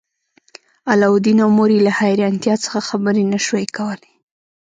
علاوالدین او مور یې له حیرانتیا څخه خبرې نشوای کولی.